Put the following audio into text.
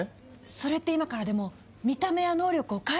それって今からでも見た目や能力を変えられるってこと？